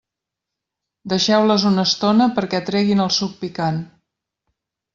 Deixeu-les una estona perquè treguin el suc picant.